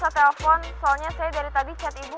saya telepon soalnya saya dari tadi chat ibu